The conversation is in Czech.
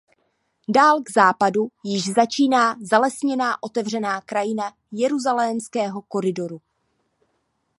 Dál k západu již začíná zalesněná otevřená krajina Jeruzalémského koridoru.